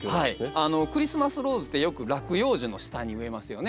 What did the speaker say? クリスマスローズってよく落葉樹の下に植えますよね。